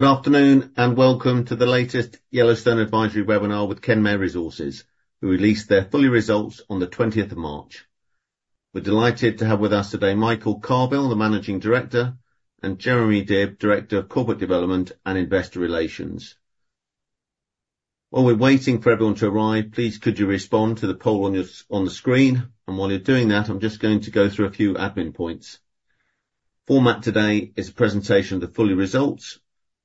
Good afternoon and welcome to the latest Yellowstone Advisory webinar with Kenmare Resources, who released their full-year results on the 20th of March. We're delighted to have with us today Michael Carvill, the Managing Director, and Jeremy Dibb, Director of Corporate Development and Investor Relations. While we're waiting for everyone to arrive, please could you respond to the poll on the screen, and while you're doing that I'm just going to go through a few admin points. Format today is a presentation of the full-year results.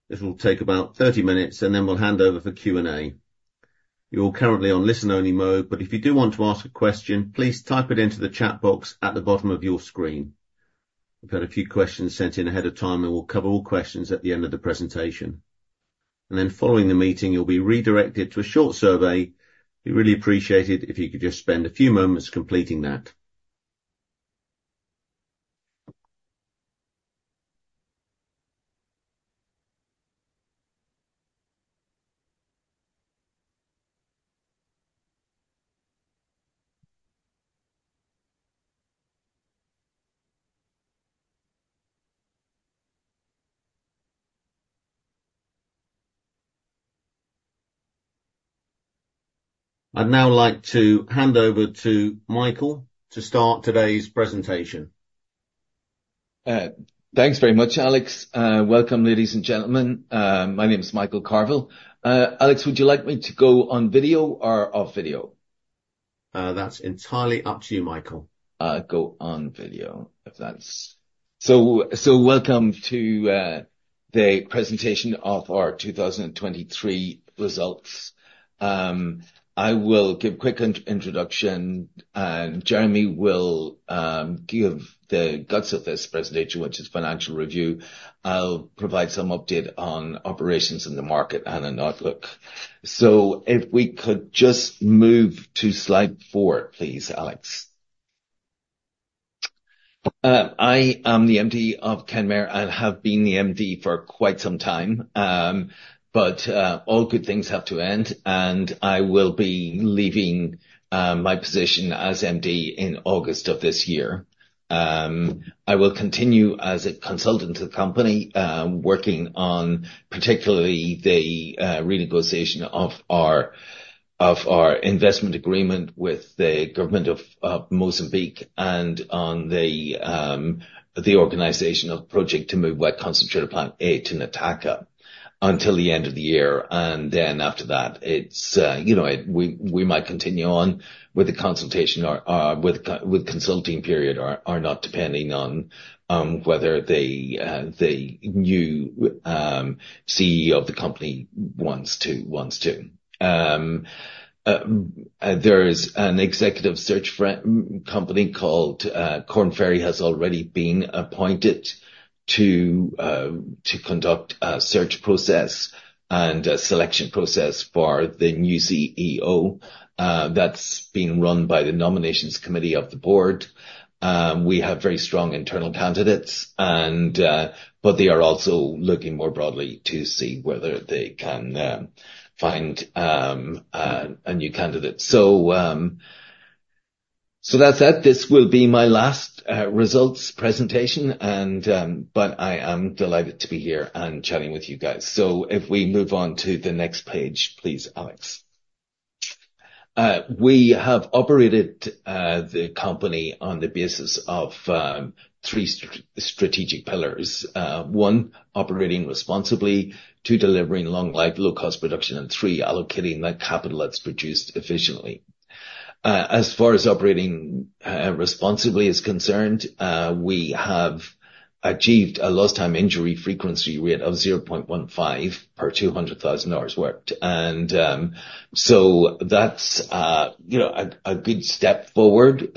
This will take about 30 minutes and then we'll hand over for Q&A. You're currently on listen-only mode, but if you do want to ask a question please type it into the chat box at the bottom of your screen. We've had a few questions sent in ahead of time and we'll cover all questions at the end of the presentation. And then following the meeting you'll be redirected to a short survey. We'd really appreciate it if you could just spend a few moments completing that. I'd now like to hand over to Michael to start today's presentation. Thanks very much, Alex. Welcome, ladies and gentlemen. My name is Michael Carvill. Alex, would you like me to go on video or off video? That's entirely up to you, Michael. Go on video, if that's. So, welcome to the presentation of our 2023 results. I will give a quick introduction and Jeremy will give the guts of this presentation, which is financial review. I'll provide some update on operations in the market and an outlook. So, if we could just move to Slide 4, please, Alex. I am the MD of Kenmare and have been the MD for quite some time, but all good things have to end and I will be leaving my position as MD in August of this year. I will continue as a consultant to the company, working on particularly the renegotiation of our investment agreement with the Government of Mozambique and on the organization of project to move: Wet Concentrator Plant A in Nataka until the end of the year, and then after that we might continue on with the consulting period or not, depending on whether the new CEO of the company wants to. There is an executive search company called Korn Ferry has already been appointed to conduct a search process and a selection process for the new CEO. That's been run by the Nominations Committee of the Board. We have very strong internal candidates, but they are also looking more broadly to see whether they can find a new candidate. So that's that. This will be my last results presentation, but I am delighted to be here and chatting with you guys. So if we move on to the next page, please, Alex. We have operated the company on the basis of three strategic pillars. One, operating responsibly; two, delivering long-life, low-cost production; and three, allocating the capital that's produced efficiently. As far as operating responsibly is concerned, we have achieved a lost-time injury frequency rate of 0.15 per 200,000 hours worked. And so that's a good step forward.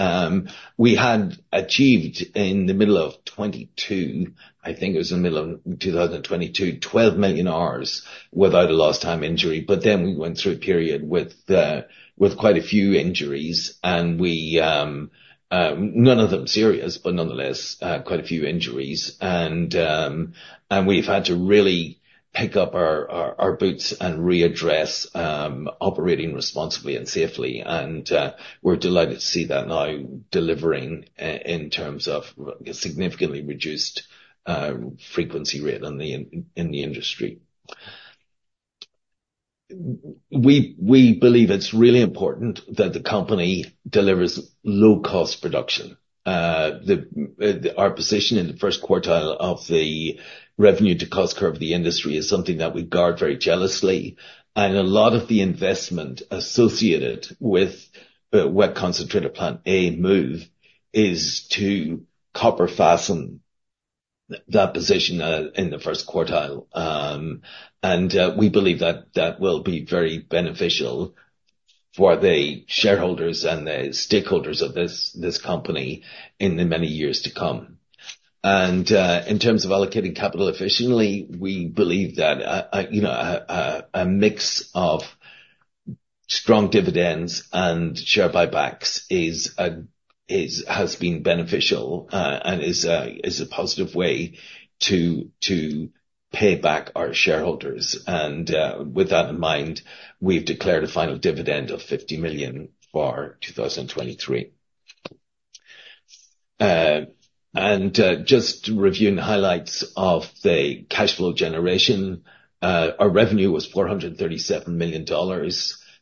We had achieved in the middle of 2022, I think it was in the middle of 2022, 12 million hours without a lost-time injury, but then we went through a period with quite a few injuries, and none of them serious, but nonetheless, quite a few injuries. And we've had to really pick up our boots and readdress operating responsibly and safely, and we're delighted to see that now delivering in terms of a significantly reduced frequency rate in the industry. We believe it's really important that the company delivers low-cost production. Our position in the first quartile of the revenue-to-cost curve of the industry is something that we guard very jealously, and a lot of the investment associated with Wet Concentrator Plant A move is to copper-fasten that position in the first quartile. We believe that that will be very beneficial for the shareholders and the stakeholders of this company in the many years to come. In terms of allocating capital efficiently, we believe that a mix of strong dividends and share buybacks has been beneficial and is a positive way to pay back our shareholders. With that in mind, we've declared a final dividend of $50 million for 2023. Just reviewing highlights of the cash flow generation, our revenue was $437 million,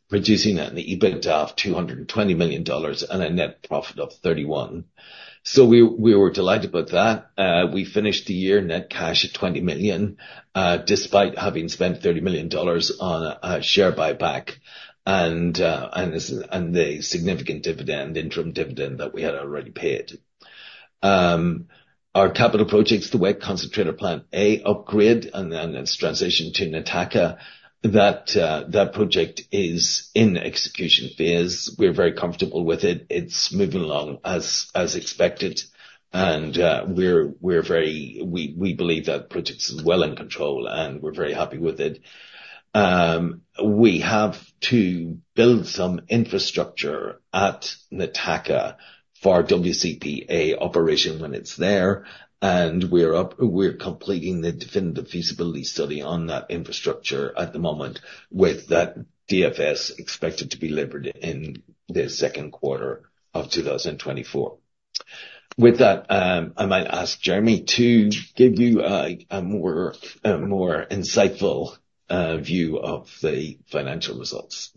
producing an EBITDA of $220 million and a net profit of $31 million. So we were delighted with that. We finished the year net cash at $20 million despite having spent $30 million on a share buyback and the significant interim dividend that we had already paid. Our capital projects, the Wet Concentrator Plant A upgrade, and then its transition to Nataka, that project is in execution phase. We're very comfortable with it. It's moving along as expected, and we believe that the project is well in control, and we're very happy with it. We have to build some infrastructure at Nataka for WCP A operation when it's there, and we're completing the definitive feasibility study on that infrastructure at the moment with that DFS expected to be delivered in the second quarter of 2024. With that, I might ask Jeremy to give you a more insightful view of the financial results.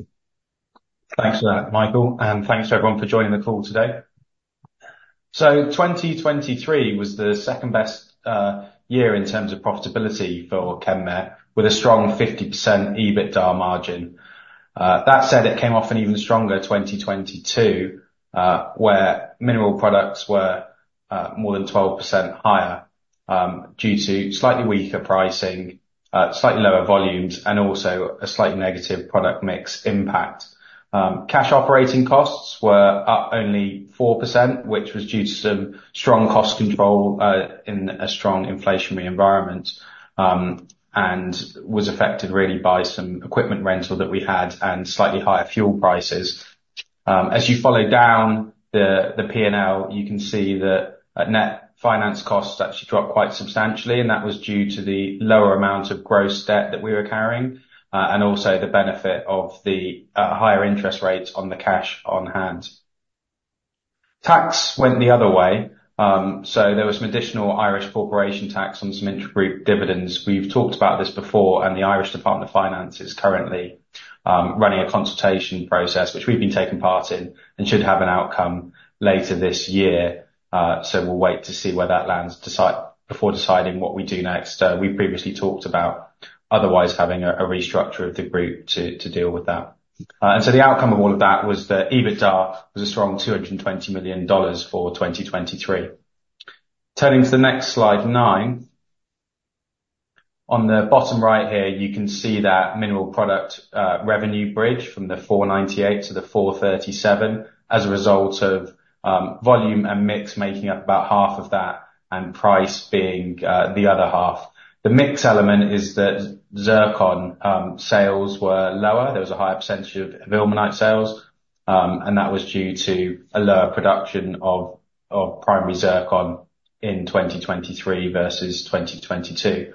Thanks for that, Michael, and thanks to everyone for joining the call today. 2023 was the second-best year in terms of profitability for Kenmare with a strong 50% EBITDA margin. That said, it came off an even stronger 2022 where mineral products were more than 12% higher due to slightly weaker pricing, slightly lower volumes, and also a slightly negative product mix impact. Cash operating costs were up only 4%, which was due to some strong cost control in a strong inflationary environment and was affected really by some equipment rental that we had and slightly higher fuel prices. As you follow down the P&L, you can see that net finance costs actually dropped quite substantially, and that was due to the lower amount of gross debt that we were carrying and also the benefit of the higher interest rates on the cash on hand. Tax went the other way. So there was some additional Irish Corporation tax on some intergroup dividends. We've talked about this before, and the Irish Department of Finance is currently running a consultation process, which we've been taking part in, and should have an outcome later this year. So we'll wait to see where that lands before deciding what we do next. We've previously talked about otherwise having a restructure of the group to deal with that. And so the outcome of all of that was the EBITDA was a strong $220 million for 2023. Turning to the next Slide 9. On the bottom right here, you can see that mineral product revenue bridge from the $498 to the $437 as a result of volume and mix making up about half of that and price being the other half. The mix element is that zircon sales were lower. There was a higher percentage of ilmenite sales, and that was due to a lower production of primary zircon in 2023 versus 2022.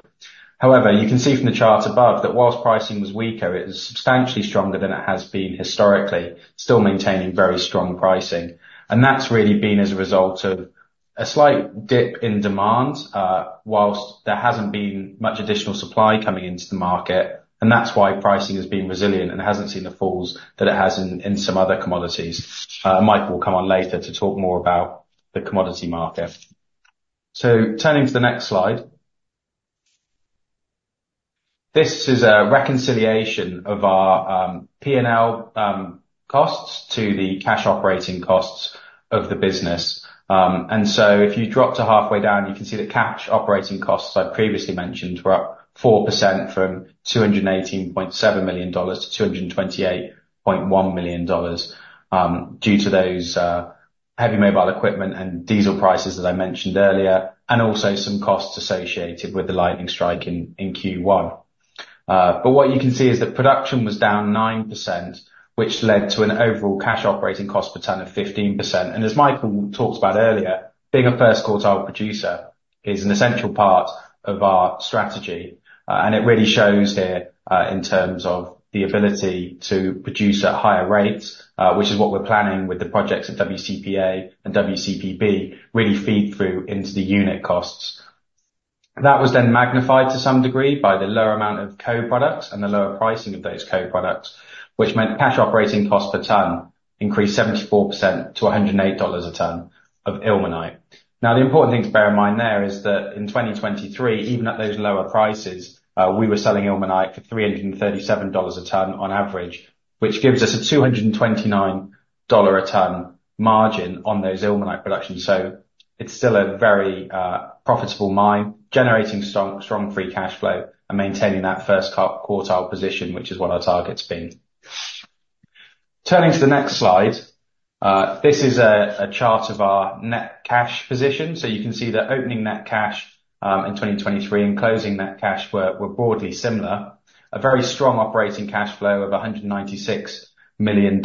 However, you can see from the chart above that whilst pricing was weaker, it was substantially stronger than it has been historically, still maintaining very strong pricing. And that's really been as a result of a slight dip in demand whilst there hasn't been much additional supply coming into the market, and that's why pricing has been resilient and hasn't seen the falls that it has in some other commodities. Michael will come on later to talk more about the commodity market. So turning to the next slide. This is a reconciliation of our P&L costs to the cash operating costs of the business. If you drop to halfway down, you can see that cash operating costs I'd previously mentioned were up 4% from $218.7 million to $228.1 million due to those heavy mobile equipment and diesel prices that I mentioned earlier, and also some costs associated with the lightning strike in Q1. What you can see is that production was down 9%, which led to an overall cash operating cost per tonne of 15%. As Michael talked about earlier, being a first quartile producer is an essential part of our strategy, and it really shows here in terms of the ability to produce at higher rates, which is what we're planning with the projects at WCP A and WCP B really feed through into the unit costs. That was then magnified to some degree by the lower amount of co-products and the lower pricing of those co-products, which meant cash operating costs per tonne increased 74% to $108 a tonne of ilmenite. Now, the important thing to bear in mind there is that in 2023, even at those lower prices, we were selling ilmenite for $337 a tonne on average, which gives us a $229 a tonne margin on those ilmenite productions. So it's still a very profitable mine, generating strong free cash flow and maintaining that first quartile position, which is what our target's been. Turning to the next slide. This is a chart of our net cash position. So you can see that opening net cash in 2023 and closing net cash were broadly similar. A very strong operating cash flow of $196 million,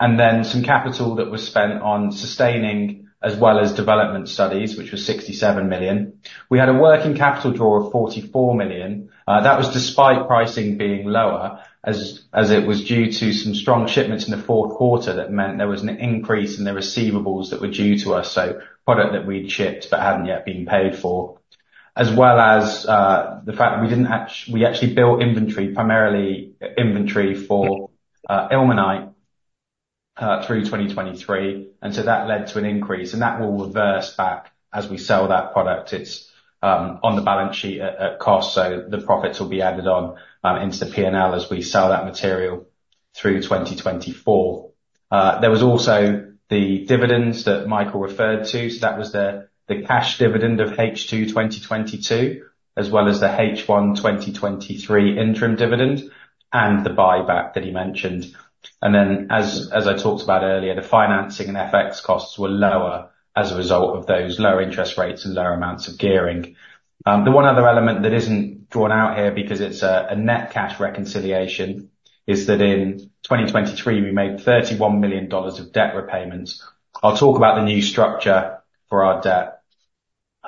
and then some capital that was spent on sustaining as well as development studies, which was $67 million. We had a working capital draw of $44 million. That was despite pricing being lower as it was due to some strong shipments in the fourth quarter that meant there was an increase in the receivables that were due to us, so product that we'd shipped but hadn't yet been paid for, as well as the fact that we actually built inventory, primarily inventory for ilmenite through 2023. And so that led to an increase, and that will reverse back as we sell that product. It's on the balance sheet at cost, so the profits will be added on into the P&L as we sell that material through 2024. There was also the dividends that Michael referred to. So that was the cash dividend of H2 2022, as well as the H1 2023 interim dividend and the buyback that he mentioned. And then, as I talked about earlier, the financing and FX costs were lower as a result of those lower interest rates and lower amounts of gearing. The one other element that isn't drawn out here because it's a net cash reconciliation is that in 2023, we made $31 million of debt repayments. I'll talk about the new structure for our debt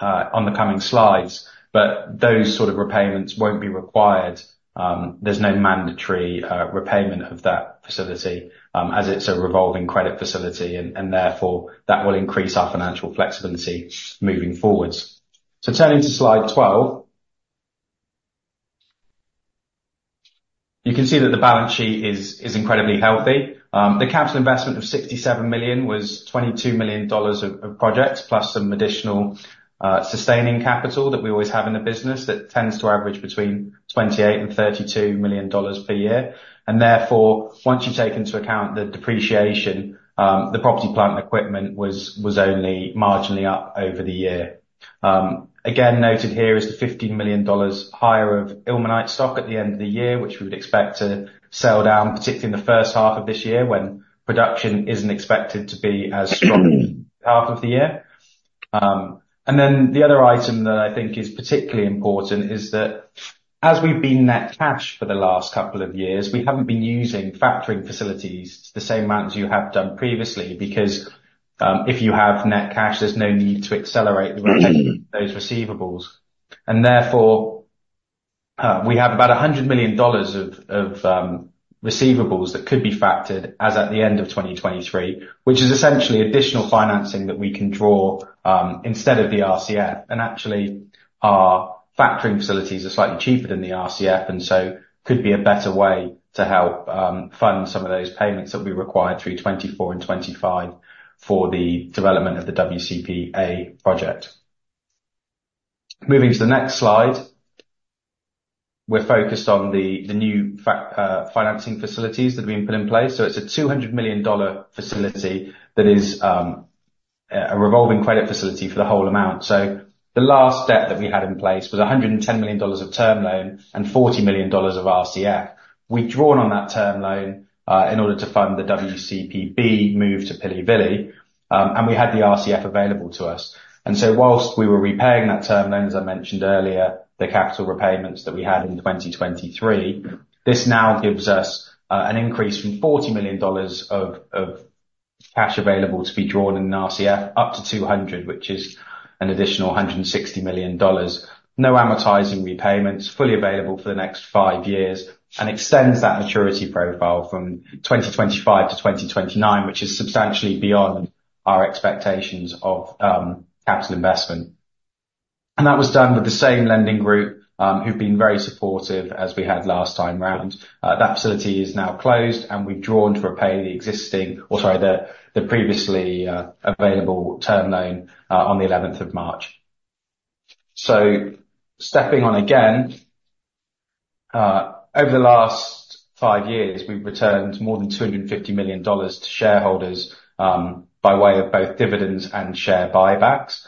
on the coming slides, but those sort of repayments won't be required. There's no mandatory repayment of that facility as it's a revolving credit facility, and therefore, that will increase our financial flexibility moving forward. So turning to Slide 12. You can see that the balance sheet is incredibly healthy. The capital investment of $67 million was $22 million of projects plus some additional sustaining capital that we always have in the business that tends to average between $28 million to $32 million per year. Therefore, once you take into account the depreciation, the property plant and equipment was only marginally up over the year. Again, noted here is the $15 million higher of ilmenite stock at the end of the year, which we would expect to sell down, particularly in the first half of this year when production isn't expected to be as strong in the middle half of the year. Then the other item that I think is particularly important is that as we've been net cash for the last couple of years, we haven't been using factoring facilities the same amount as you have done previously because if you have net cash, there's no need to accelerate the repayment of those receivables. And therefore, we have about $100 million of receivables that could be factored as at the end of 2023, which is essentially additional financing that we can draw instead of the RCF. And actually, our factoring facilities are slightly cheaper than the RCF, and so could be a better way to help fund some of those payments that will be required through 2024 and 2025 for the development of the WCP A project. Moving to the next slide. We're focused on the new financing facilities that we've put in place. So it's a $200 million facility that is a revolving credit facility for the whole amount. So the last debt that we had in place was $110 million of term loan and $40 million of RCF. We'd drawn on that term loan in order to fund the WCP B move to Pilivili, and we had the RCF available to us. And so whilst we were repaying that term loan, as I mentioned earlier, the capital repayments that we had in 2023, this now gives us an increase from $40 million of cash available to be drawn in an RCF up to $200, which is an additional $160 million, no amortizing repayments, fully available for the next five years, and extends that maturity profile from 2025 to 2029, which is substantially beyond our expectations of capital investment. That was done with the same lending group who've been very supportive as we had last time around. That facility is now closed, and we've drawn to repay the existing, or sorry, the previously available term loan on the 11th of March. Stepping on again. Over the last five years, we've returned more than $250 million to shareholders by way of both dividends and share buybacks.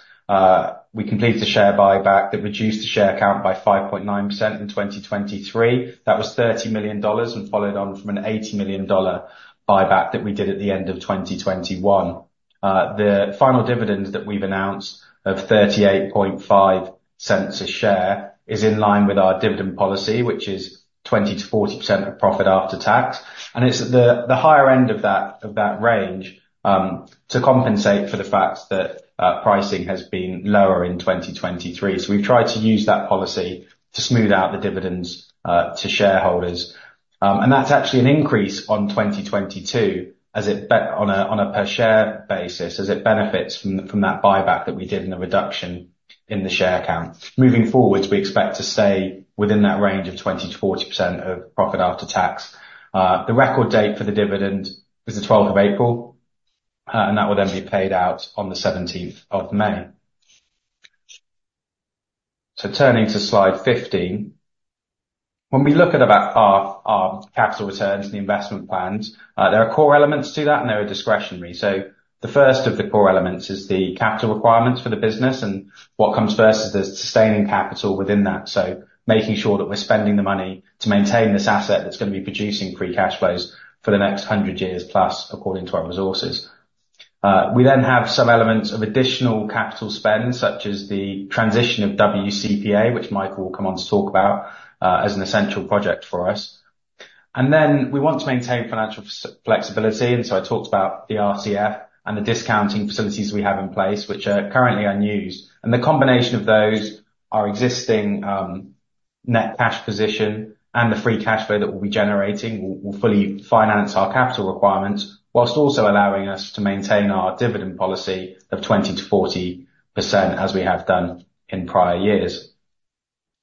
We completed a share buyback that reduced the share count by 5.9% in 2023. That was $30 million and followed on from an $80 million buyback that we did at the end of 2021. The final dividend that we've announced of $0.385 a share is in line with our dividend policy, which is 20% to 40% of profit after tax. And it's at the higher end of that range to compensate for the fact that pricing has been lower in 2023. So we've tried to use that policy to smooth out the dividends to shareholders. And that's actually an increase on 2022 as it on a per-share basis as it benefits from that buyback that we did and the reduction in the share count. Moving forwards, we expect to stay within that range of 20% to 40% of profit after tax. The record date for the dividend is the 12th of April, and that will then be paid out on the 17th of May. So turning to Slide 15. When we look at our capital returns and the investment plans, there are core elements to that, and they're a discretionary. So the first of the core elements is the capital requirements for the business, and what comes first is the sustaining capital within that, so making sure that we're spending the money to maintain this asset that's going to be producing free cash flows for the next 100 years plus according to our resources. We then have some elements of additional capital spend such as the transition of WCP A, which Michael will come on to talk about as an essential project for us. And then we want to maintain financial flexibility. And so I talked about the RCF and the discounting facilities we have in place, which are currently unused. The combination of those, our existing net cash position and the free cash flow that we'll be generating will fully finance our capital requirements while also allowing us to maintain our dividend policy of 20% to 40% as we have done in prior years.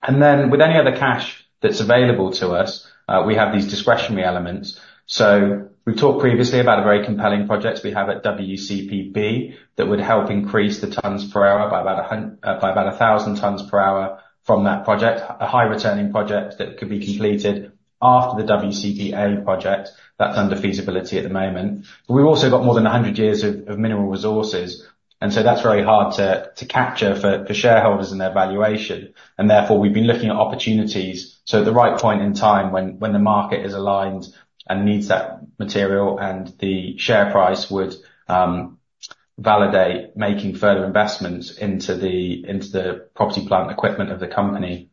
And then with any other cash that's available to us, we have these discretionary elements. So we've talked previously about a very compelling project we have at WCP B that would help increase the tonnes per hour by about 1,000 tonnes per hour from that project, a high-returning project that could be completed after the WCP A project. That's under feasibility at the moment. But we've also got more than 100 years of mineral resources, and so that's very hard to capture for shareholders and their valuation. And therefore, we've been looking at opportunities. So at the right point in time when the market is aligned and needs that material and the share price would validate making further investments into the property plant equipment of the company,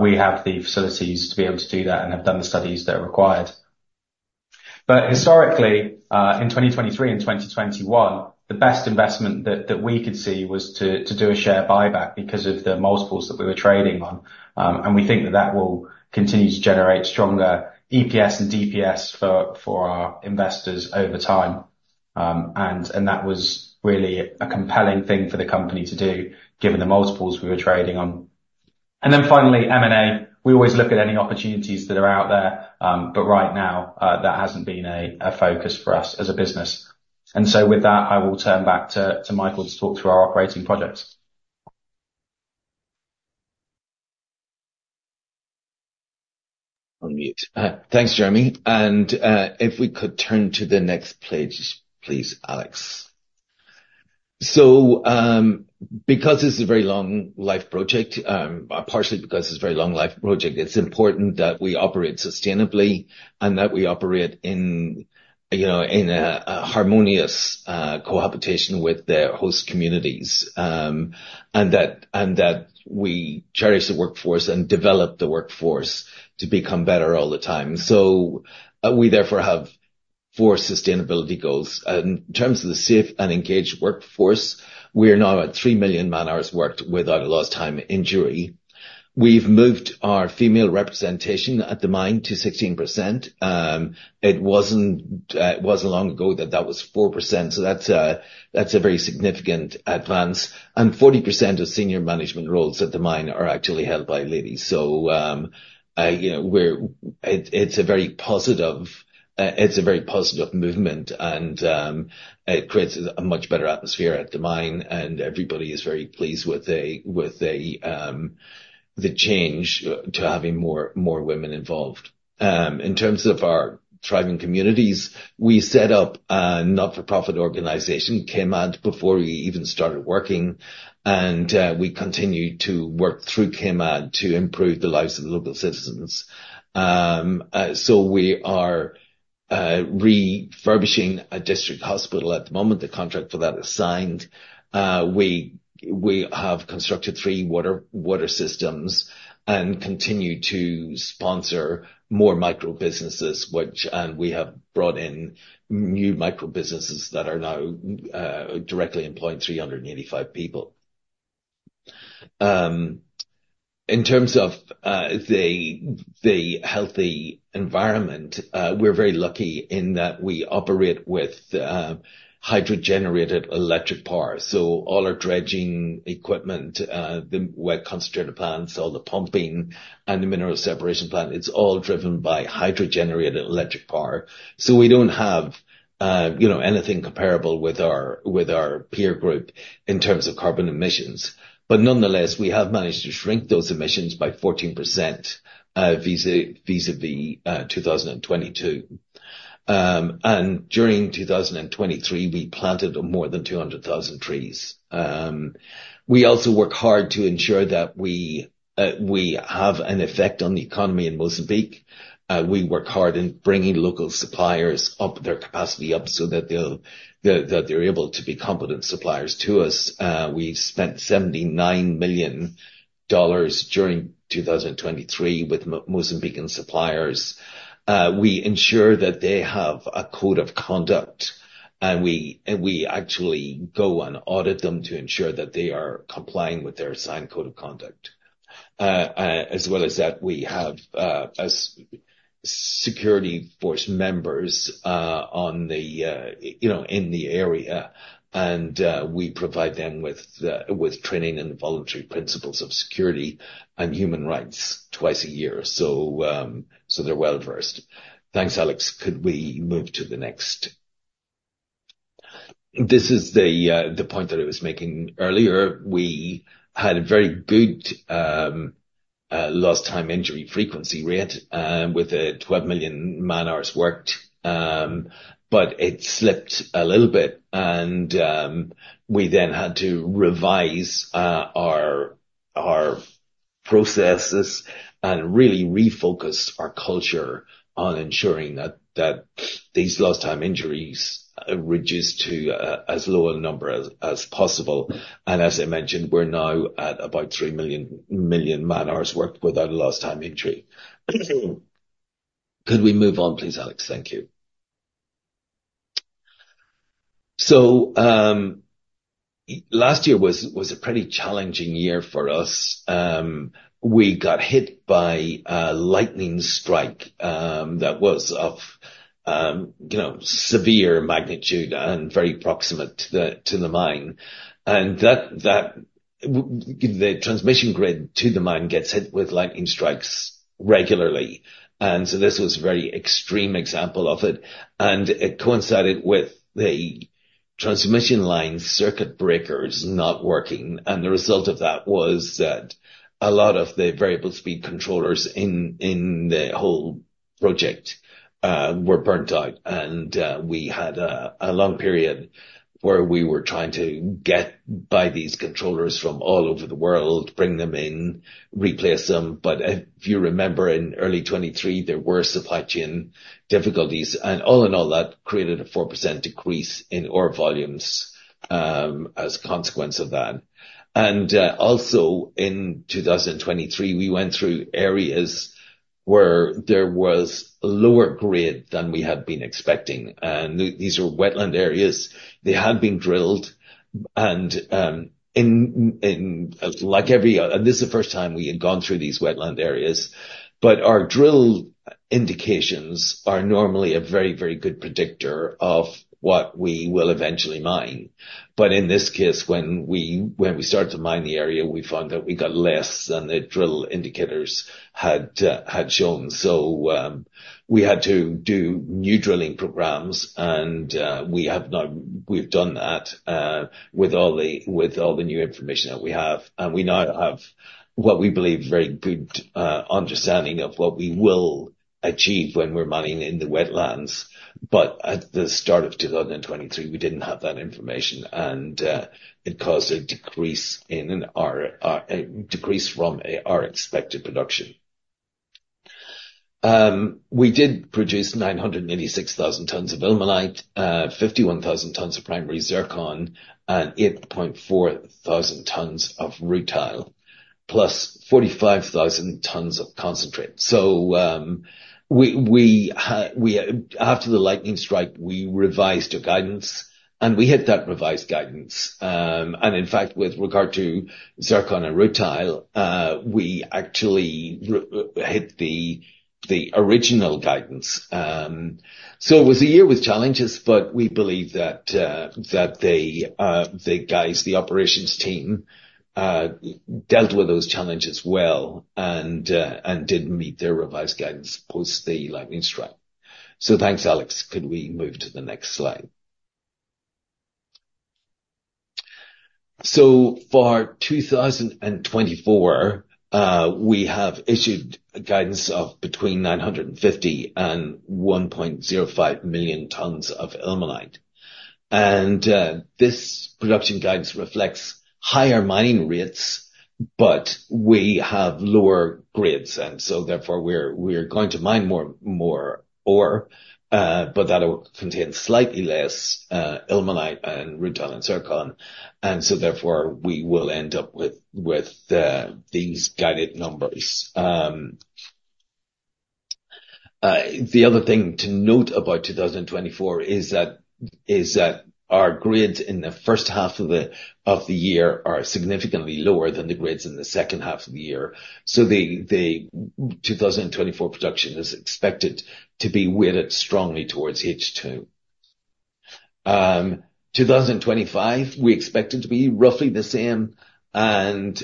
we have the facilities to be able to do that and have done the studies that are required. But historically, in 2023 and 2021, the best investment that we could see was to do a share buyback because of the multiples that we were trading on. And we think that that will continue to generate stronger EPS and DPS for our investors over time. And that was really a compelling thing for the company to do given the multiples we were trading on. And then finally, M&A. We always look at any opportunities that are out there, but right now, that hasn't been a focus for us as a business. With that, I will turn back to Michael to talk through our operating projects. On mute. Thanks, Jeremy. If we could turn to the next page, please, Alex. So because it's a very long-life project, partially because it's a very long-life project, it's important that we operate sustainably and that we operate in a harmonious cohabitation with the host communities and that we cherish the workforce and develop the workforce to become better all the time. We therefore have four sustainability goals. In terms of the safe and engaged workforce, we are now at three million man-hours worked without a lost-time injury. We've moved our female representation at the mine to 16%. It wasn't long ago that that was 4%. So that's a very significant advance. 40% of senior management roles at the mine are actually held by ladies. So it's a very positive movement, and it creates a much better atmosphere at the mine. And everybody is very pleased with the change to having more women involved. In terms of our thriving communities, we set up a not-for-profit organization, KMAD, before we even started working. And we continue to work through KMAD to improve the lives of the local citizens. So we are refurbishing a district hospital at the moment. The contract for that is signed. We have constructed three water systems and continue to sponsor more microbusinesses, and we have brought in new microbusinesses that are now directly employing 385 people. In terms of the healthy environment, we're very lucky in that we operate with hydrogenerated electric power. So all our dredging equipment, the wet concentrator plants, all the pumping, and the mineral separation plant, it's all driven by hydrogenerated electric power. So we don't have anything comparable with our peer group in terms of carbon emissions. But nonetheless, we have managed to shrink those emissions by 14% vis-a-vis 2022. And during 2023, we planted more than 200,000 trees. We also work hard to ensure that we have an effect on the economy in Mozambique. We work hard in bringing local suppliers up, their capacity up, so that they're able to be competent suppliers to us. We've spent $79 million during 2023 with Mozambican suppliers. We ensure that they have a code of conduct, and we actually go and audit them to ensure that they are complying with their assigned code of conduct, as well as that we have security force members in the area. And we provide them with training in the Voluntary Principles on Security and Human Rights twice a year, so they're well-versed. Thanks, Alex. Could we move to the next? This is the point that I was making earlier. We had a very good lost-time injury frequency rate with 12 million man-hours worked, but it slipped a little bit. We then had to revise our processes and really refocus our culture on ensuring that these lost-time injuries reduce to as low a number as possible. As I mentioned, we're now at about three million man-hours worked without a lost-time injury. Could we move on, please, Alex? Thank you. Last year was a pretty challenging year for us. We got hit by a lightning strike that was of severe magnitude and very proximate to the mine. And the transmission grid to the mine gets hit with lightning strikes regularly. And so this was a very extreme example of it. And it coincided with the transmission line circuit breakers not working. And the result of that was that a lot of the variable speed controllers in the whole project were burned out. And we had a long period where we were trying to get by these controllers from all over the world, bring them in, replace them. But if you remember, in early 2023, there were supply chain difficulties. And all in all, that created a 4% decrease in ore volumes as a consequence of that. And also in 2023, we went through areas where there was lower grade than we had been expecting. And these are wetland areas. They had been drilled. And like every and this is the first time we had gone through these wetland areas. But our drill indications are normally a very, very good predictor of what we will eventually mine. But in this case, when we started to mine the area, we found that we got less than the drill indicators had shown. So we had to do new drilling programs. And we've done that with all the new information that we have. And we now have what we believe very good understanding of what we will achieve when we're mining in the wetlands. But at the start of 2023, we didn't have that information, and it caused a decrease from our expected production. We did produce 986,000 tonnes of ilmenite, 51,000 tonnes of primary zircon, and 8,400 tonnes of rutile, plus 45,000 tonnes of concentrate. So after the lightning strike, we revised our guidance, and we hit that revised guidance. And in fact, with regard to zircon and rutile, we actually hit the original guidance. So it was a year with challenges, but we believe that the guys, the operations team, dealt with those challenges well and did meet their revised guidance post the lightning strike. So thanks, Alex. Could we move to the next slide? So for 2024, we have issued guidance of between 950,000 and 1.05 million tonnes of ilmenite. And this production guidance reflects higher mining rates, but we have lower grades. And so therefore, we're going to mine more ore, but that will contain slightly less ilmenite and rutile and zircon. And so therefore, we will end up with these guided numbers. The other thing to note about 2024 is that our grades in the first half of the year are significantly lower than the grades in the second half of the year. So 2024 production is expected to be weighted strongly towards H2. 2025, we expect it to be roughly the same. Beyond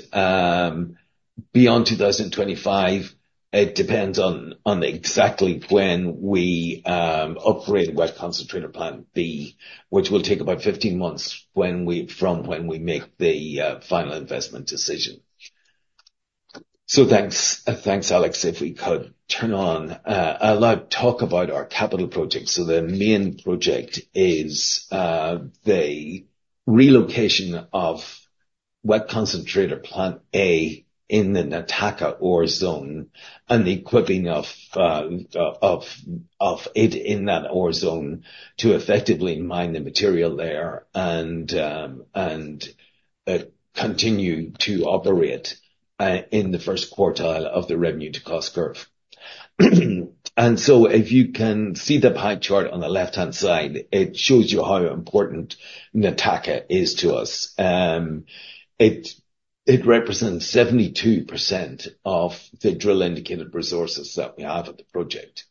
2025, it depends on exactly when we operate Wet Concentrator Plant B, which will take about 15 months from when we make the final investment decision. Thanks, Alex, if we could turn on. I'll talk about our capital projects. The main project is the relocation of Wet Concentrator Plant A in the Nataka ore zone and the equipping of it in that ore zone to effectively mine the material there and continue to operate in the first quartile of the revenue-to-cost curve. If you can see the pie chart on the left-hand side, it shows you how important Nataka is to us. It represents 72% of the drill-indicated resources that we have at the project.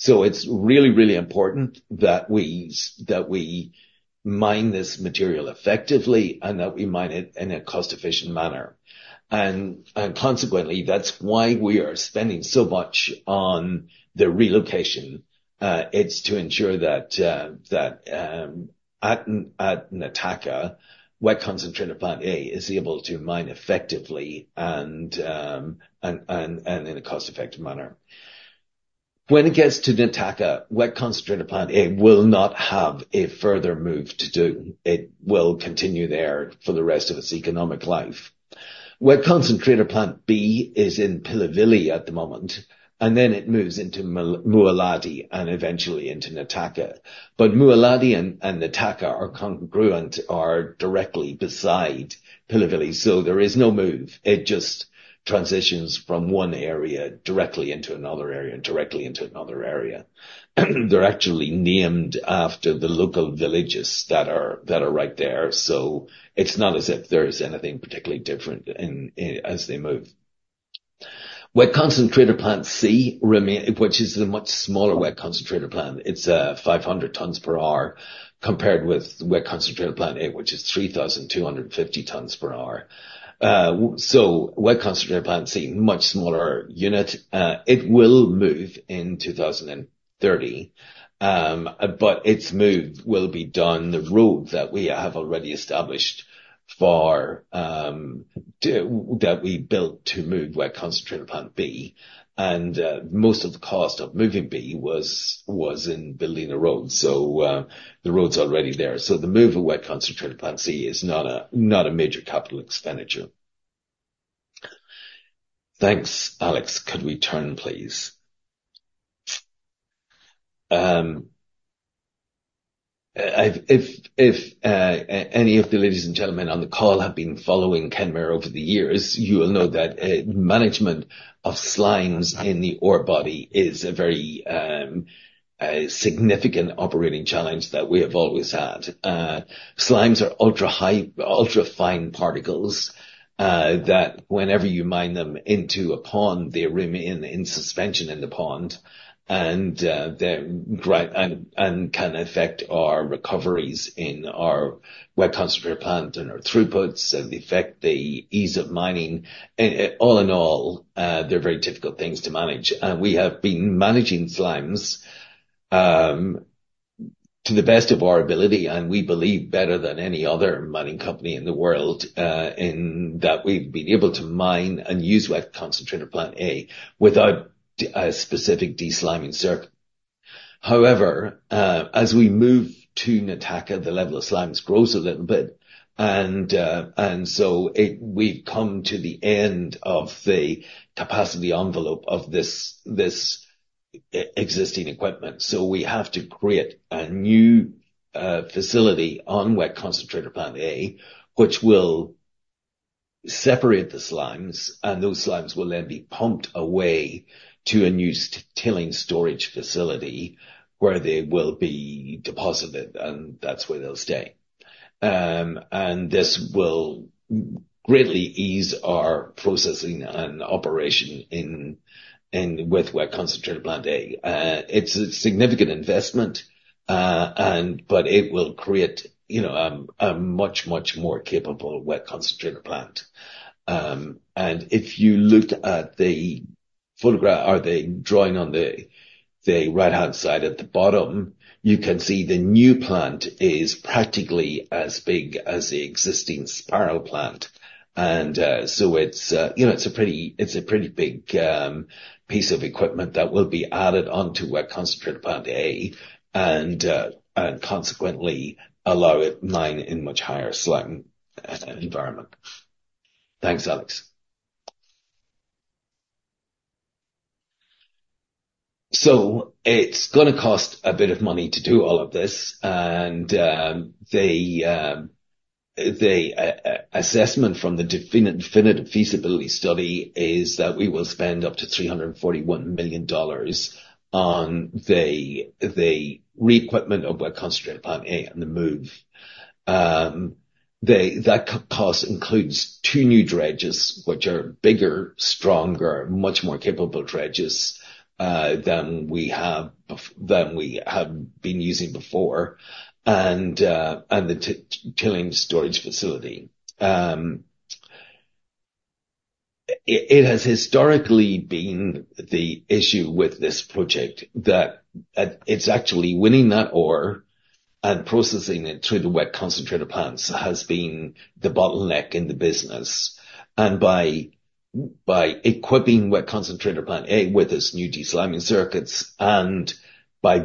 It's really, really important that we mine this material effectively and that we mine it in a cost-efficient manner. Consequently, that's why we are spending so much on the relocation. It's to ensure that at Nataka, Wet Concentrator Plant A is able to mine effectively and in a cost-effective manner. When it gets to Nataka, Wet Concentrator Plant A will not have a further move to do. It will continue there for the rest of its economic life. Wet Concentrator Plant B is in Pilivili at the moment, and then it moves into Mualadi and eventually into Nataka. Mualadi and Nataka are congruent or directly beside Pilivili. There is no move. It just transitions from one area directly into another area and directly into another area. They're actually named after the local villages that are right there. So it's not as if there is anything particularly different as they move. Wet Concentrator Plant C, which is the much smaller wet concentrator plant, it's 500 tons per hour compared with Wet Concentrator Plant A, which is 3,250 tons per hour. So Wet Concentrator Plant C, much smaller unit. It will move in 2030, but its move will be done the road that we have already established that we built to move Wet Concentrator Plant B. And most of the cost of moving B was in building the road. So the road's already there. So the move of Wet Concentrator Plant C is not a major capital expenditure. Thanks, Alex. Could we turn, please? If any of the ladies and gentlemen on the call have been following Kenmare over the years, you will know that management of slimes in the ore body is a very significant operating challenge that we have always had. Slimes are ultra-fine particles that whenever you mine them into a pond, they remain in suspension in the pond and can affect our recoveries in our wet concentrator plant and our throughputs and the ease of mining. All in all, they're very difficult things to manage. We have been managing slimes to the best of our ability, and we believe better than any other mining company in the world in that we've been able to mine and use Wet Concentrator Plant A without a specific desliming circuit. However, as we move to Nataka, the level of slimes grows a little bit. We've come to the end of the capacity envelope of this existing equipment. We have to create a new facility on Wet Concentrator Plant A, which will separate the slimes, and those slimes will then be pumped away to a new tailings storage facility where they will be deposited, and that's where they'll stay. This will greatly ease our processing and operation with Wet Concentrator Plant A. It's a significant investment, but it will create a much, much more capable wet concentrator plant. If you look at the photograph or the drawing on the right-hand side at the bottom, you can see the new plant is practically as big as the existing spiral plant. It's a pretty big piece of equipment that will be added onto Wet Concentrator Plant A and consequently allow it mine in much higher slimes environment. Thanks, Alex. So it's going to cost a bit of money to do all of this. And the assessment from the definitive feasibility study is that we will spend up to $341 million on the re-equipment of Wet Concentrator Plant A and the move. That cost includes two new dredges, which are bigger, stronger, much more capable dredges than we have been using before, and the tailings storage facility. It has historically been the issue with this project that it's actually winning that ore and processing it through the wet concentrator plants has been the bottleneck in the business. And by equipping Wet Concentrator Plant A with its new desliming circuits and by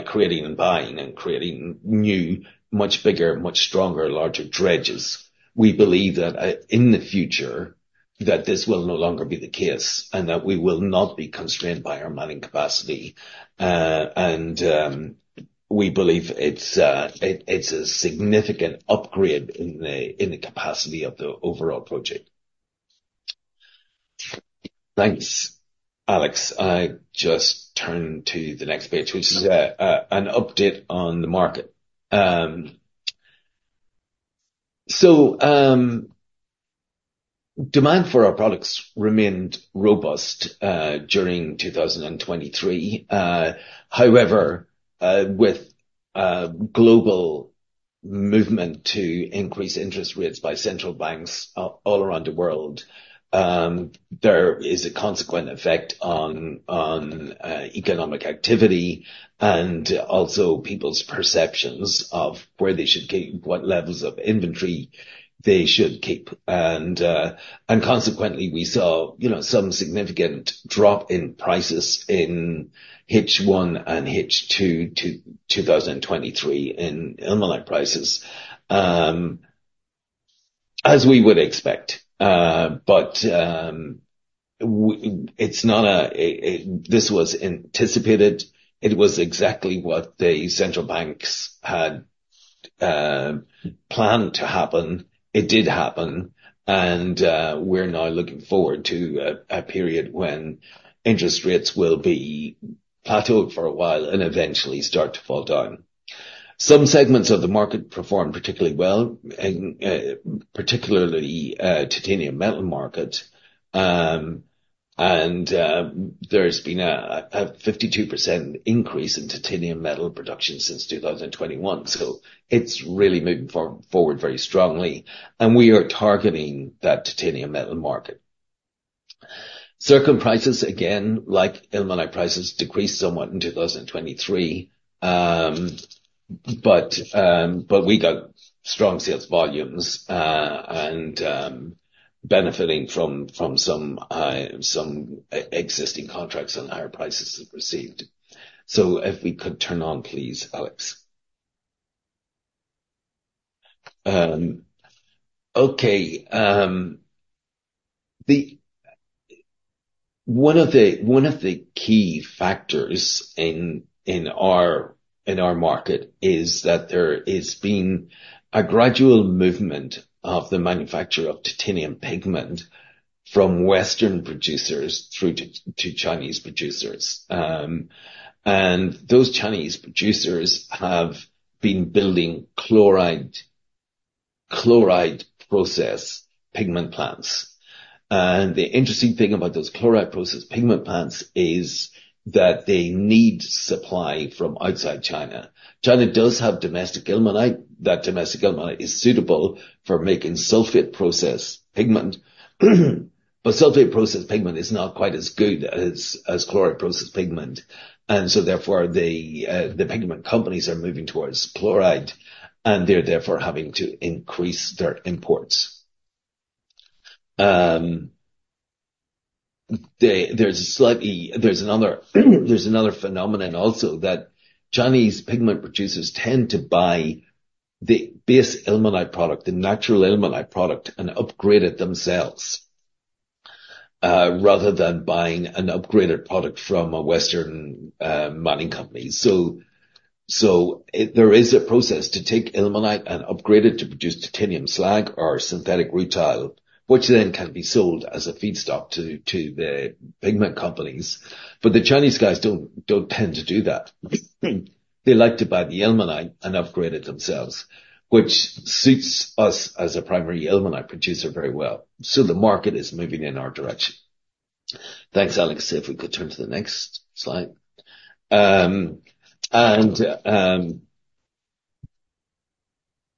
creating and buying and creating new, much bigger, much stronger, larger dredges, we believe that in the future, this will no longer be the case and that we will not be constrained by our mining capacity. We believe it's a significant upgrade in the capacity of the overall project. Thanks, Alex. I just turn to the next page, which is an update on the market. Demand for our products remained robust during 2023. However, with global movement to increase interest rates by central banks all around the world, there is a consequent effect on economic activity and also people's perceptions of what levels of inventory they should keep. And consequently, we saw some significant drop in prices in H1 and H2 to 2023 in ilmenite prices, as we would expect. But this was anticipated. It was exactly what the central banks had planned to happen. It did happen. And we're now looking forward to a period when interest rates will be plateaued for a while and eventually start to fall down. Some segments of the market performed particularly well, particularly the titanium metal market. And there's been a 52% increase in titanium metal production since 2021. So it's really moving forward very strongly. And we are targeting that titanium metal market. TiO2 prices, again, like ilmenite prices, decreased somewhat in 2023, but we got strong sales volumes and benefiting from some existing contracts and higher prices that were received. So if we could turn on, please, Alex. Okay. One of the key factors in our market is that there is being a gradual movement of the manufacture of titanium pigment from Western producers through to Chinese producers. And those Chinese producers have been building chloride process pigment plants. And the interesting thing about those chloride process pigment plants is that they need supply from outside China. China does have domestic ilmenite. That domestic ilmenite is suitable for making sulfate process pigment. But sulfate process pigment is not quite as good as chloride process pigment. And so therefore, the pigment companies are moving towards chloride, and they're therefore having to increase their imports. There's another phenomenon also that Chinese pigment producers tend to buy the base ilmenite product, the natural ilmenite product, and upgrade it themselves rather than buying an upgraded product from a Western mining company. So there is a process to take ilmenite and upgrade it to produce titanium slag or synthetic rutile, which then can be sold as a feedstock to the pigment companies. But the Chinese guys don't tend to do that. They like to buy the ilmenite and upgrade it themselves, which suits us as a primary ilmenite producer very well. So the market is moving in our direction. Thanks, Alex. If we could turn to the next slide.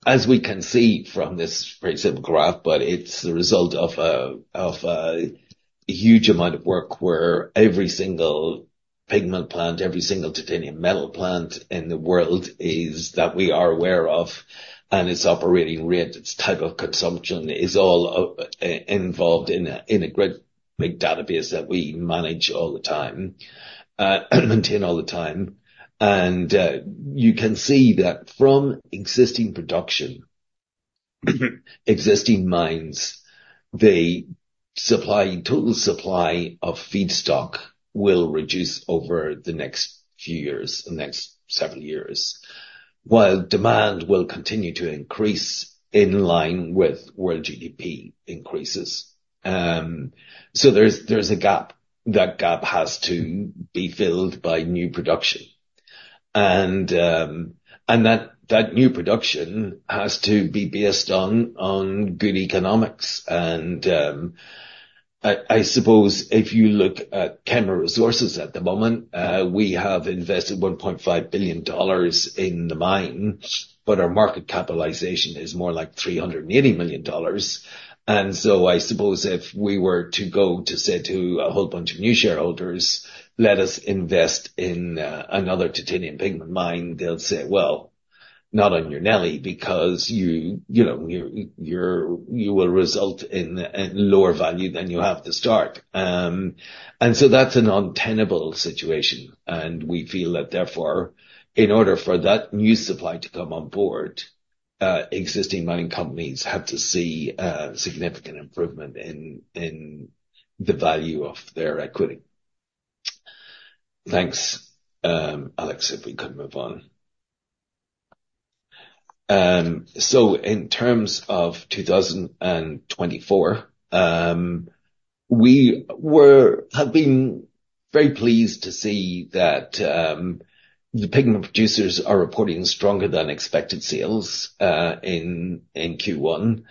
As we can see from this very simple graph, but it's the result of a huge amount of work where every single pigment plant, every single titanium metal plant in the world that we are aware of and its operating rate, its type of consumption is all involved in a great big database that we manage all the time, maintain all the time. You can see that from existing production, existing mines, the total supply of feedstock will reduce over the next few years, the next several years, while demand will continue to increase in line with world GDP increases. There's a gap. That gap has to be filled by new production. That new production has to be based on good economics. I suppose if you look at Kenmare Resources at the moment, we have invested $1.5 billion in the mine, but our market capitalization is more like $380 million. So I suppose if we were to go to say to a whole bunch of new shareholders, "Let us invest in another titanium pigment mine," they'll say, "Well, not on your nelly because you will result in lower value than you have to start." So that's an untenable situation. We feel that therefore, in order for that new supply to come on board, existing mining companies have to see significant improvement in the value of their equity. Thanks, Alex. If we could move on. In terms of 2024, we have been very pleased to see that the pigment producers are reporting stronger than expected sales in Q1.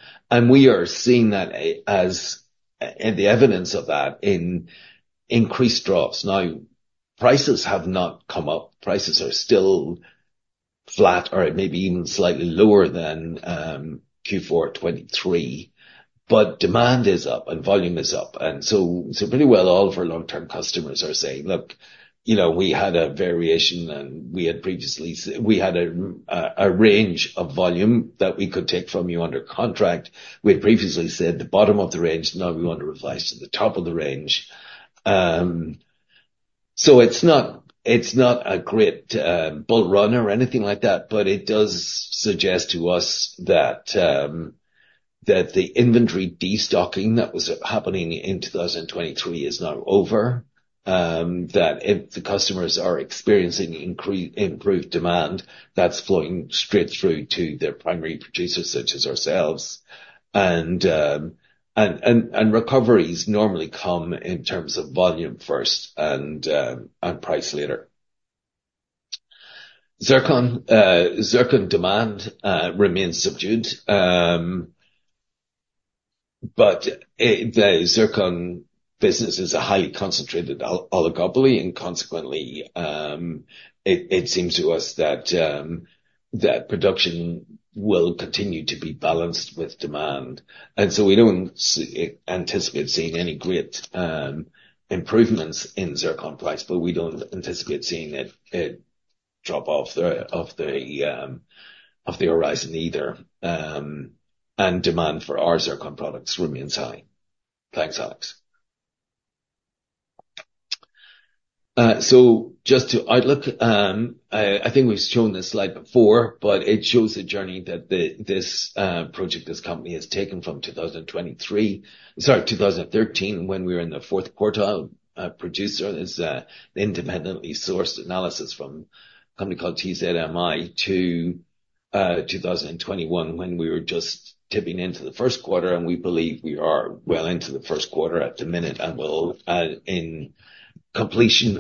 We are seeing that as the evidence of that in increased draws. Now, prices have not come up. Prices are still flat or maybe even slightly lower than Q4 2023, but demand is up and volume is up. So pretty well all of our long-term customers are saying, "Look, we had a variation, and we had previously we had a range of volume that we could take from you under contract. We had previously said the bottom of the range. Now we want to revise to the top of the range." So it's not a great bull run or anything like that, but it does suggest to us that the inventory destocking that was happening in 2023 is now over, that if the customers are experiencing improved demand, that's flowing straight through to their primary producers such as ourselves. Recoveries normally come in terms of volume first and price later. Zircon demand remains subdued. But the zircon business is a highly concentrated oligopoly, and consequently, it seems to us that production will continue to be balanced with demand. And so we don't anticipate seeing any great improvements in zircon price, but we don't anticipate seeing it drop off the horizon either. And demand for our zircon products remains high. Thanks, Alex. So just to outlook, I think we've shown this slide before, but it shows the journey that this project, this company has taken from 2023 sorry, 2013 when we were in the fourth quarter producer, is the independently sourced analysis from a company called TZMI to 2021 when we were just tipping into the first quarter. And we believe we are well into the first quarter at the minute. Upon completion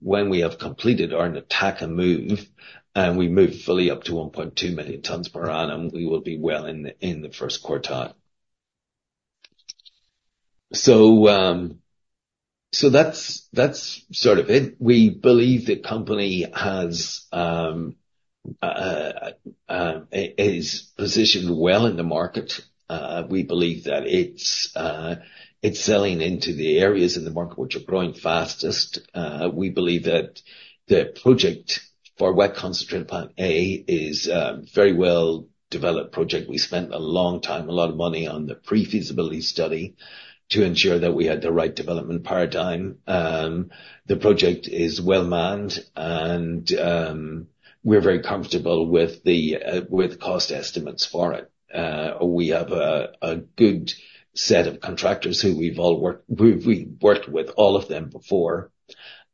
when we have completed our Nataka move, and we move fully up to 1.2 million tonnes per annum, we will be well in the first quartile. So that's sort of it. We believe the company is positioned well in the market. We believe that it's selling into the areas in the market which are growing fastest. We believe that the project for Wet Concentrator Plant A is a very well-developed project. We spent a long time, a lot of money on the pre-feasibility study to ensure that we had the right development paradigm. The project is well manned, and we're very comfortable with the cost estimates for it. We have a good set of contractors who we've all worked with all of them before,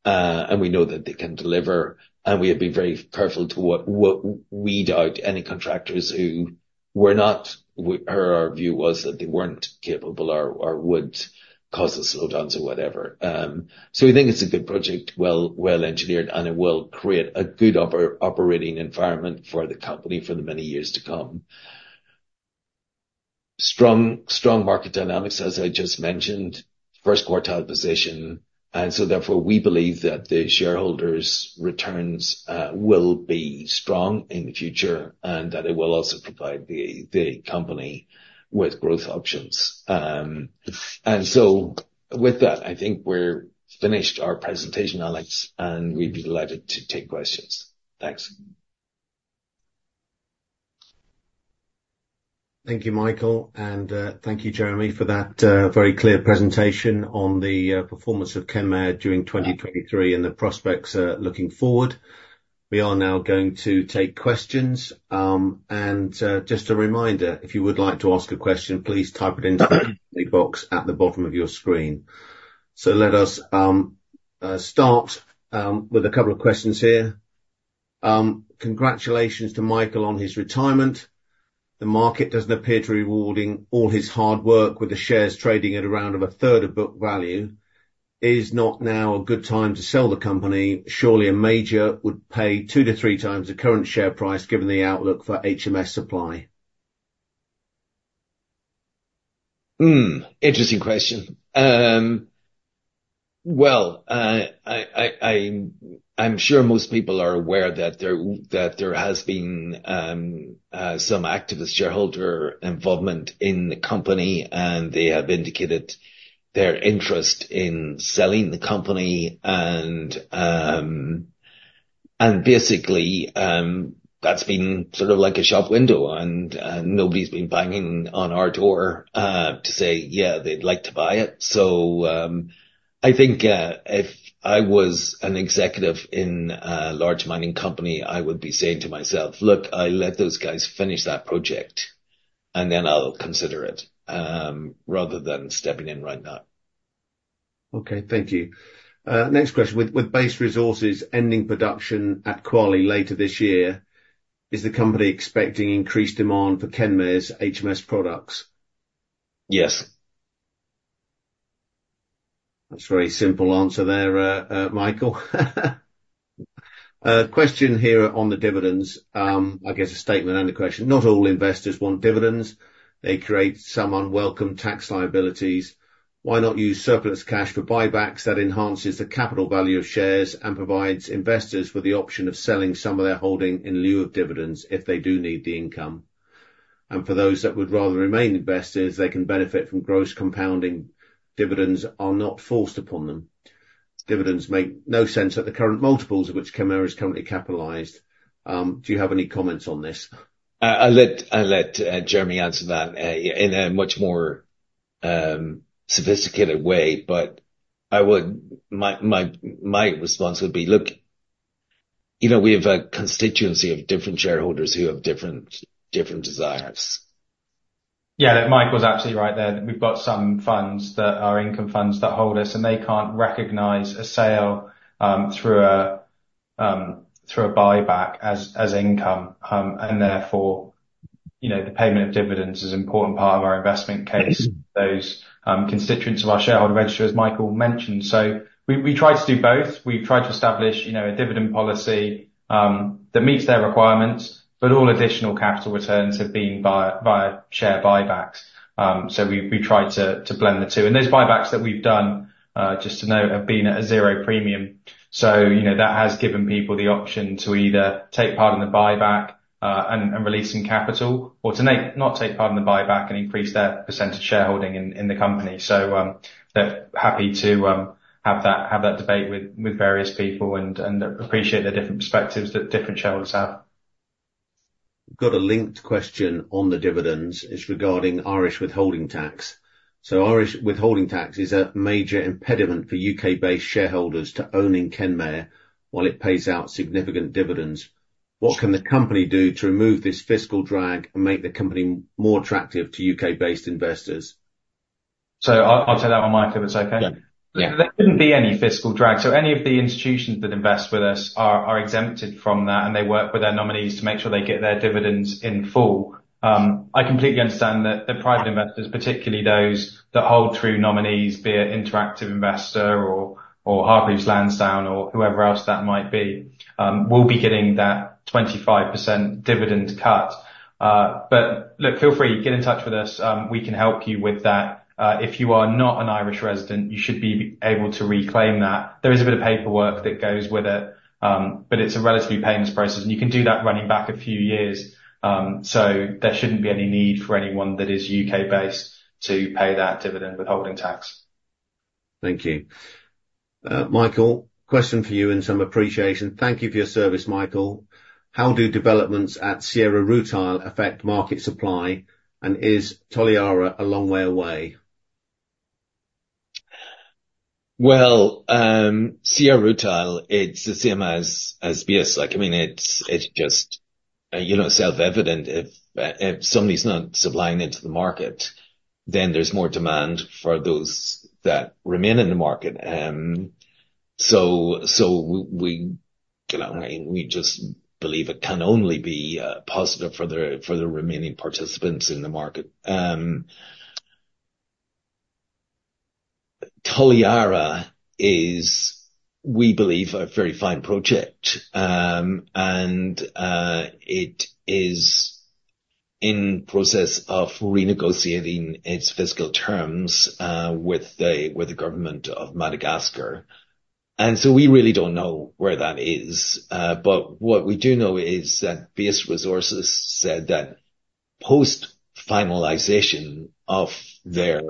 and we know that they can deliver. We have been very careful to weed out any contractors who were not or our view was that they weren't capable or would cause us slowdowns or whatever. We think it's a good project, well-engineered, and it will create a good operating environment for the company for the many years to come. Strong market dynamics, as I just mentioned, first quartile position. And so therefore, we believe that the shareholders' returns will be strong in the future and that it will also provide the company with growth options. And so with that, I think we've finished our presentation, Alex, and we'd be delighted to take questions. Thanks. Thank you, Michael. Thank you, Jeremy, for that very clear presentation on the performance of Kenmare during 2023 and the prospects looking forward. We are now going to take questions. Just a reminder, if you would like to ask a question, please type it into the comment box at the bottom of your screen. Let us start with a couple of questions here. Congratulations to Michael on his retirement. The market doesn't appear to be rewarding all his hard work, with the shares trading at around a third of book value. Is not now a good time to sell the company? Surely a major would pay two to three times the current share price given the outlook for HMS supply. Interesting question. Well, I'm sure most people are aware that there has been some activist shareholder involvement in the company, and they have indicated their interest in selling the company. And basically, that's been sort of like a shop window, and nobody's been banging on our door to say, "Yeah, they'd like to buy it." So I think if I was an executive in a large mining company, I would be saying to myself, "Look, I'll let those guys finish that project, and then I'll consider it," rather than stepping in right now. Okay. Thank you. Next question. With Base Resources ending production at Kwale later this year, is the company expecting increased demand for Kenmare's HMS products? Yes. That's a very simple answer there, Michael. Question here on the dividends. I guess a statement and a question. Not all investors want dividends. They create some unwelcome tax liabilities. Why not use surplus cash for buybacks that enhances the capital value of shares and provides investors with the option of selling some of their holding in lieu of dividends if they do need the income? And for those that would rather remain investors, they can benefit from gross compounding. Dividends are not forced upon them. Dividends make no sense at the current multiples of which Kenmare is currently capitalized. Do you have any comments on this? I'll let Jeremy answer that in a much more sophisticated way. But my response would be, "Look, we have a constituency of different shareholders who have different desires." Yeah, that Michael's absolutely right there. We've got some funds that are income funds that hold us, and they can't recognize a sale through a buyback as income. Therefore, the payment of dividends is an important part of our investment case, those constituents of our shareholder register, as Michael mentioned. We tried to do both. We've tried to establish a dividend policy that meets their requirements, but all additional capital returns have been via share buybacks. We've tried to blend the two. Those buybacks that we've done, just to note, have been at a zero premium. That has given people the option to either take part in the buyback and release some capital or to not take part in the buyback and increase their percentage shareholding in the company. They're happy to have that debate with various people and appreciate the different perspectives that different shareholders have. We've got a linked question on the dividends. It's regarding Irish withholding tax. So Irish withholding tax is a major impediment for U.K.-based shareholders to owning Kenmare while it pays out significant dividends. What can the company do to remove this fiscal drag and make the company more attractive to U.K.-based investors? So I'll turn that to Michael if it's okay. There shouldn't be any fiscal drag. So any of the institutions that invest with us are exempted from that, and they work with their nominees to make sure they get their dividends in full. I completely understand that private investors, particularly those that hold through nominees, be it Interactive Investor or Hargreaves Lansdown or whoever else that might be, will be getting that 25% dividend cut. But look, feel free, get in touch with us. We can help you with that. If you are not an Irish resident, you should be able to reclaim that. There is a bit of paperwork that goes with it, but it's a relatively painless process. You can do that running back a few years. There shouldn't be any need for anyone that is U.K.-based to pay that dividend withholding tax. Thank you. Michael, question for you in some appreciation. Thank you for your service, Michael. How do developments at Sierra Rutile affect market supply, and is Toliara a long way away? Well, Sierra Rutile, it's the same as Base. I mean, it's just self-evident. If somebody's not supplying into the market, then there's more demand for those that remain in the market. So we just believe it can only be positive for the remaining participants in the market. Toliara is, we believe, a very fine project, and it is in process of renegotiating its fiscal terms with the government of Madagascar. And so we really don't know where that is. But what we do know is that Base Resources said that post-finalization of their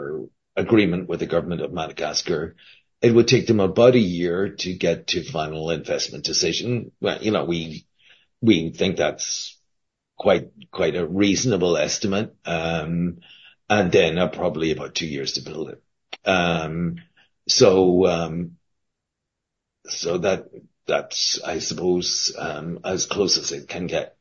agreement with the government of Madagascar, it would take them about a year to get to final investment decision. We think that's quite a reasonable estimate, and then probably about two years to build it. So that's, I suppose, as close as it can get.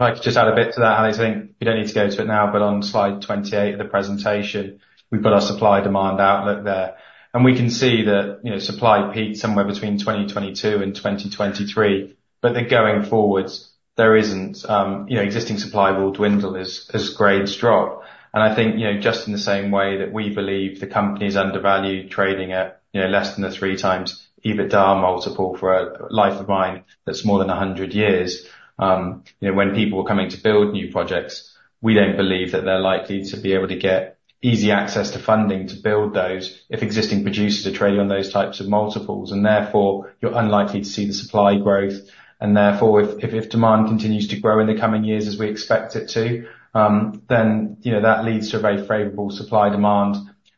I could just add a bit to that, Hannah. I think you don't need to go to it now, but on Slide 28 of the presentation, we've got our supply-demand outlook there. And we can see that supply peaked somewhere between 2022 and 2023. But then going forwards, there, existing supply will dwindle as grades drop. I think just in the same way that we believe the company is undervalued, trading at less than the 3x EBITDA multiple for a life of mine that's more than 100 years, when people are coming to build new projects, we don't believe that they're likely to be able to get easy access to funding to build those if existing producers are trading on those types of multiples. And therefore, you're unlikely to see the supply growth. And therefore, if demand continues to grow in the coming years as we expect it to, then that leads to a very favorable supply-demand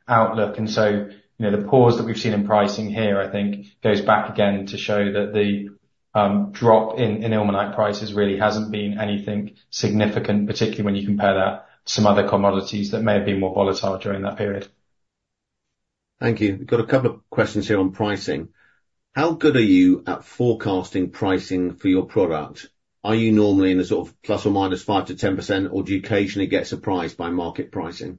outlook. And so the pause that we've seen in pricing here, I think, goes back again to show that the drop in ilmenite prices really hasn't been anything significant, particularly when you compare that to some other commodities that may have been more volatile during that period. Thank you. We've got a couple of questions here on pricing. How good are you at forecasting pricing for your product? Are you normally in a sort of ±5% to 10%, or do you occasionally get surprised by market pricing?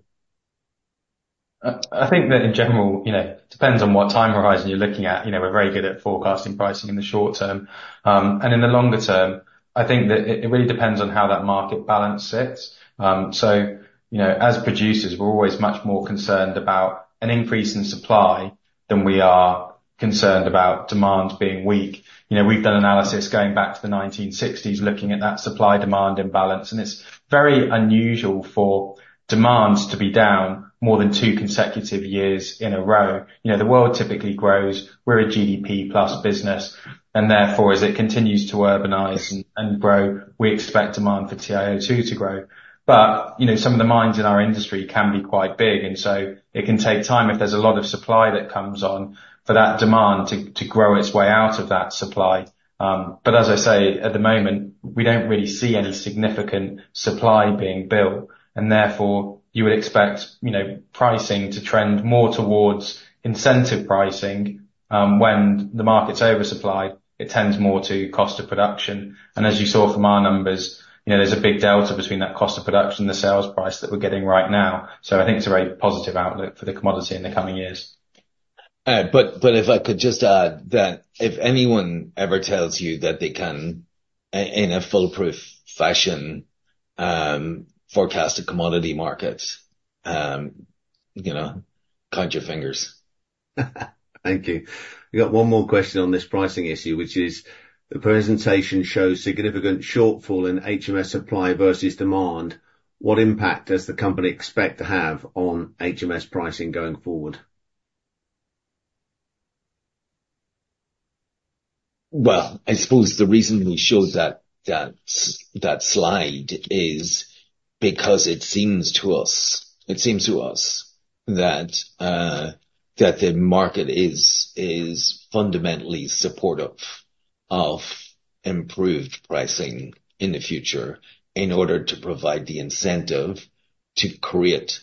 I think that in general, it depends on what time horizon you're looking at. We're very good at forecasting pricing in the short term. In the longer term, I think that it really depends on how that market balance sits. As producers, we're always much more concerned about an increase in supply than we are concerned about demand being weak. We've done analysis going back to the 1960s looking at that supply-demand imbalance. It's very unusual for demands to be down more than two consecutive years in a row. The world typically grows. We're a GDP-plus business. And therefore, as it continues to urbanize and grow, we expect demand for TiO2 to grow. But some of the mines in our industry can be quite big. And so it can take time if there's a lot of supply that comes on for that demand to grow its way out of that supply. But as I say, at the moment, we don't really see any significant supply being built. And therefore, you would expect pricing to trend more towards incentive pricing. When the market's oversupplied, it tends more to cost of production. And as you saw from our numbers, there's a big delta between that cost of production and the sales price that we're getting right now. So I think it's a very positive outlook for the commodity in the coming years. But if I could just add that if anyone ever tells you that they can, in a foolproof fashion, forecast a commodity market, count your fingers. Thank you. We've got one more question on this pricing issue, which is, the presentation shows significant shortfall in HMS supply versus demand. What impact does the company expect to have on HMS pricing going forward? Well, I suppose the reason we showed that slide is because it seems to us that the market is fundamentally supportive of improved pricing in the future in order to provide the incentive to create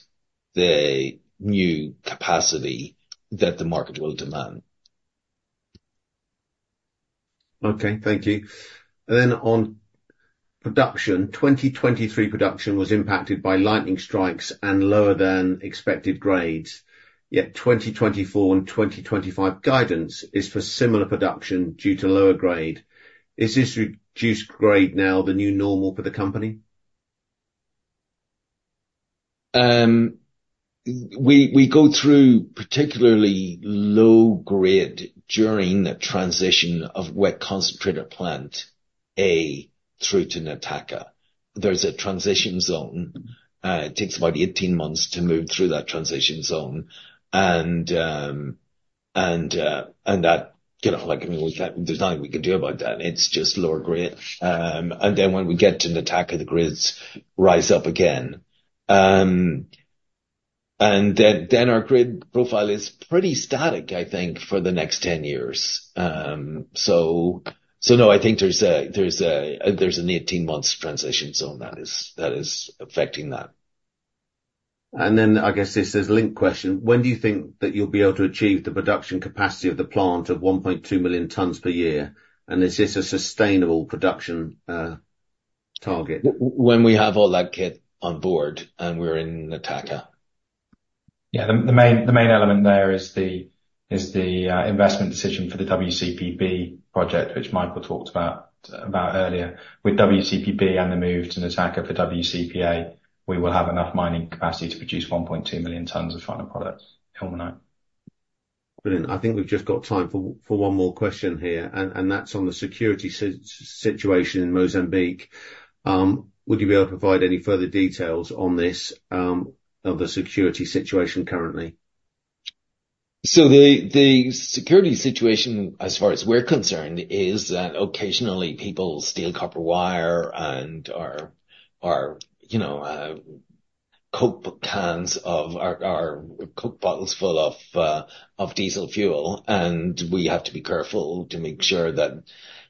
the new capacity that the market will demand. Okay. Thank you. And then on production, 2023 production was impacted by lightning strikes and lower-than-expected grades. Yet 2024 and 2025 guidance is for similar production due to lower grade. Is this reduced grade now the new normal for the company? We go through particularly low-grade during the transition of Wet Concentrator Plant A through to Nataka. There's a transition zone. It takes about 18 months to move through that transition zone. And I mean, there's nothing we can do about that. It's just lower-grade. And then when we get to Nataka, the grades rise up again. And then our grade profile is pretty static, I think, for the next 10 years. So no, I think there's an 18-month transition zone that is affecting that. And then I guess this is a linked question. When do you think that you'll be able to achieve the production capacity of the plant of 1.2 million tonnes per year? And is this a sustainable production target? When we have all that kit on board and we're in Nataka. Yeah. The main element there is the investment decision for the WCP B project, which Michael talked about earlier. With WCP B and the move to Nataka for WCP A, we will have enough mining capacity to produce 1.2 million tonnes of final product, Ilmenite. Brilliant. I think we've just got time for one more question here. And that's on the security situation in Mozambique. Would you be able to provide any further details on this of the security situation currently? So the security situation, as far as we're concerned, is that occasionally people steal copper wire and our Coke cans or our Coke bottles full of diesel fuel. And we have to be careful to make sure that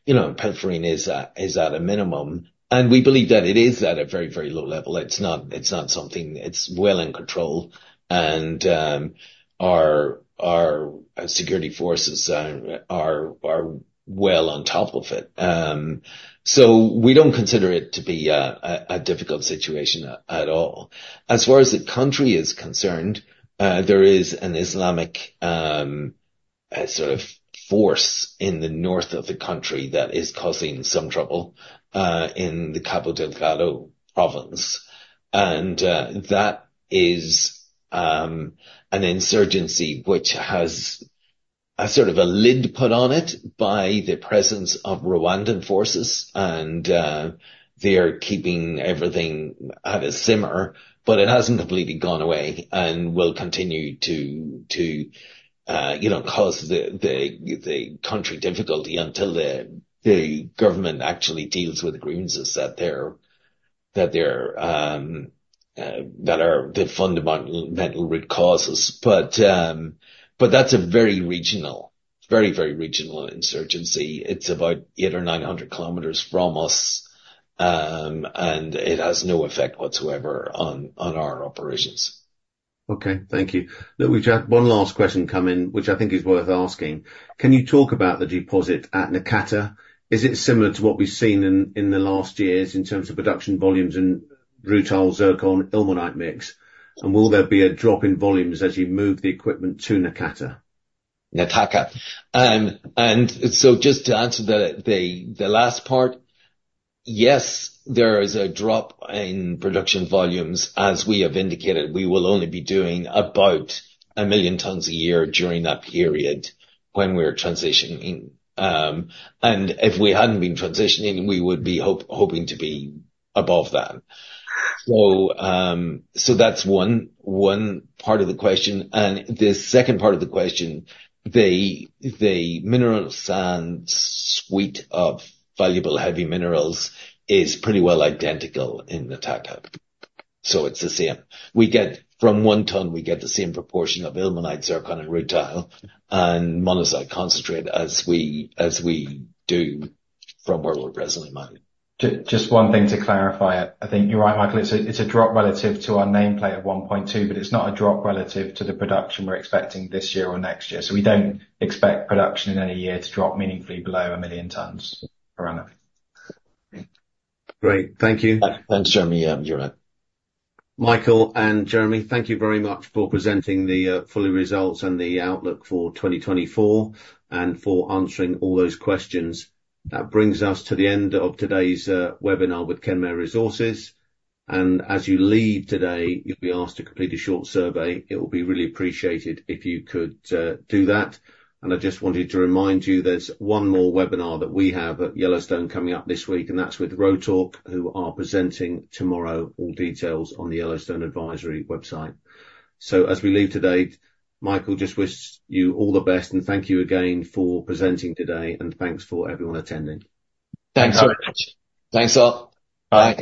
pilfering is at a minimum. And we believe that it is at a very, very low level. It's not something it's well in control. And our security forces are well on top of it. So we don't consider it to be a difficult situation at all. As far as the country is concerned, there is an Islamic sort of force in the north of the country that is causing some trouble in the Cabo Delgado province. And that is an insurgency which has a sort of a lid put on it by the presence of Rwandan forces. And they're keeping everything at a simmer. But it hasn't completely gone away and will continue to cause the country difficulty until the government actually deals with the grievances that are the fundamental root causes. But that's a very regional, very, very regional insurgency. It's about 800 or 900 kilometers from us. And it has no effect whatsoever on our operations. Okay. Thank you. Look, we've had one last question come in, which I think is worth asking. Can you talk about the deposit at Nataka? Is it similar to what we've seen in the last years in terms of production volumes in Rutile, zircon, Ilmenite mix? And will there be a drop in volumes as you move the equipment to Nakata? Nataka. And so just to answer the last part, yes, there is a drop in production volumes. As we have indicated, we will only be doing about a million tonnes a year during that period when we're transitioning. And if we hadn't been transitioning, we would be hoping to be above that. So that's one part of the question. And the second part of the question, the mineral sand suite of valuable heavy minerals is pretty well identical in Nataka. So it's the same. From one tonne, we get the same proportion of Ilmenite, zircon, and Rutile and monazite concentrate as we do from where we're presently mining. Just one thing to clarify it. I think you're right, Michael. It's a drop relative to our nameplate of 1.2, but it's not a drop relative to the production we're expecting this year or next year. So we don't expect production in any year to drop meaningfully below a million tonnes around that. Great. Thank you. Thanks, Jeremy. You're right. Michael and Jeremy, thank you very much for presenting the full-year results and the outlook for 2024 and for answering all those questions. That brings us to the end of today's webinar with Kenmare Resources. As you leave today, you'll be asked to complete a short survey. It will be really appreciated if you could do that. I just wanted to remind you there's one more webinar that we have at Yellowstone coming up this week, and that's with Rotork, who are presenting tomorrow all details on the Yellowstone Advisory website. As we leave today, Michael just wishes you all the best. Thank you again for presenting today. Thanks for everyone attending. Thanks very much. Thanks, all. Bye.